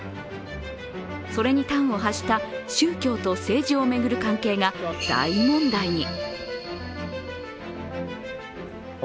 それに端を発した宗教と政治を巡る関係が大問題に。